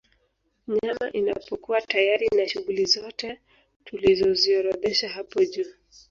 Nyama inapokuwa tayari na shughuli zote tulizoziorodhesha hapo juu